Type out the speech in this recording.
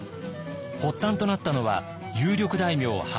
発端となったのは有力大名畠